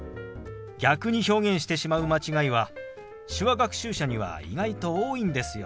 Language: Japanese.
逆に表現してしまう間違いは手話学習者には意外と多いんですよ。